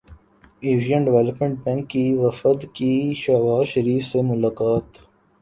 Asian Development Bank کے وفد کی شہباز شریف سے ملاقات